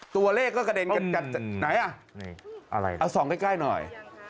ตัวเลขก็กระเด็นกันไหนน่ะเอา๒ใกล้หน่อย